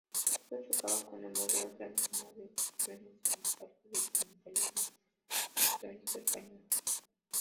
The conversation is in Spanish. Esto chocaba con el modelo tradicional de secciones sindicales del sindicalismo histórico español.